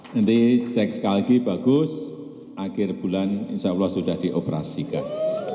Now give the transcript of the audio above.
nanti cek sekali lagi bagus akhir bulan insya allah sudah dioperasikan